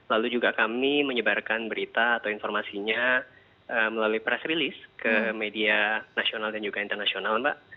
lalu juga kami menyebarkan berita atau informasinya melalui press release ke media nasional dan juga internasional mbak